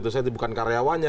saya itu bukan karyawannya